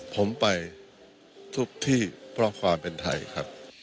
ผมไปทุกที่เพราะความเป็นไทยครับ